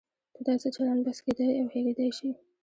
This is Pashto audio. په داسې چلن بحث کېدای او هېریدای شي.